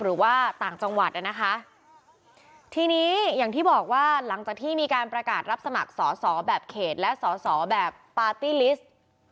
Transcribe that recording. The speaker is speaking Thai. หรือว่าต่างจังหวัดนะคะทีนี้อย่างที่บอกว่าหลังจากที่มีการประกาศรับสมัครสอสอแบบเขตและสอสอแบบปาร์ตี้ลิสต์